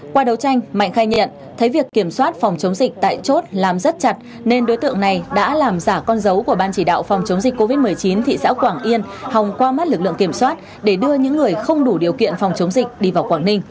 qua đấu tranh mạnh khai nhận thấy việc kiểm soát phòng chống dịch tại chốt làm rất chặt nên đối tượng này đã làm giả con dấu của ban chỉ đạo phòng chống dịch covid một mươi chín thị xã quảng yên hòng qua mắt lực lượng kiểm soát để đưa những người không đủ điều kiện phòng chống dịch đi vào quảng ninh